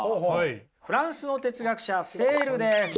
フランスの哲学者セールです。